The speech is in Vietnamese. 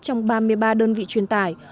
về ba đơn vị truyền tài